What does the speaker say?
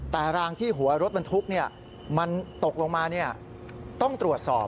แต่รางที่หัวรถบรรทุกมันตกลงมาต้องตรวจสอบ